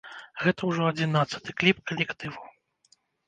Гэта ўжо адзінаццаты кліп калектыву.